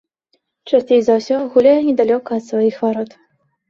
Часцей за ўсё гуляе недалёка ад сваіх варот.